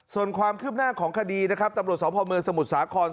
ส่วนความคืบหน้าของคดีนะครับตำรวจสพเมืองสมุทรสาคร